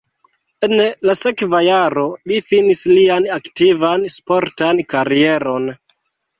En la sekva jaro li finis lian aktivan sportan karieron.